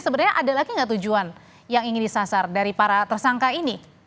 sebenarnya ada lagi nggak tujuan yang ingin disasar dari para tersangka ini